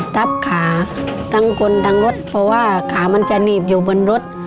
ทับขาทั้งคนทั้งรถเพราะว่าขามันจะหนีบอยู่บนรถ